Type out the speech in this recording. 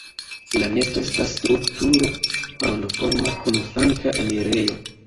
La nesto estas strukturo rondoforma kun flanka enirejo.